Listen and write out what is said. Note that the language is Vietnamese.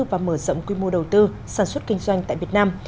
và mở rộng quy mô đầu tư sản xuất kinh doanh tại việt nam